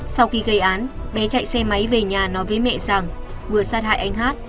sau khi gây án bé chạy xe máy về nhà nói với mẹ rằng vừa sát hại anh hát